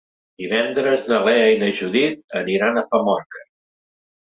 Divendres na Lea i na Judit aniran a Famorca.